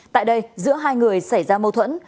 tại đây giữa hai người xảy ra mâu thuẫn